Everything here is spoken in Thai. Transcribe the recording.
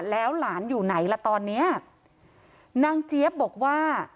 แล้วหลานอยู่ไหนล่ะตอนเนี้ยนางเจี๊ยบบอกว่า